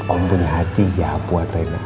om punya hati ya buat reinhard